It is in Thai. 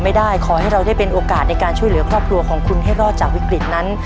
ไม่ได้ขอให้เราได้เป็นโอกาสในการช่วยเหลือครอบครัวของคุณให้รอดจากวิกฤตนั้น